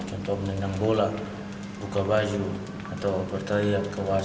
contoh menendang bola